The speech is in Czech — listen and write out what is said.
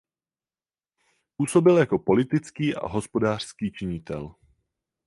Působil jako politický a hospodářský činitel.